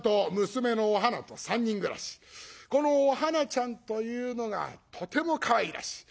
このお花ちゃんというのがとてもかわいらしい。